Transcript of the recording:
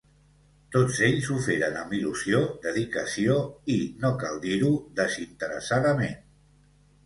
Tots ells ho feren amb il·lusió, dedicació i, no cal dir-ho, desinteressadament.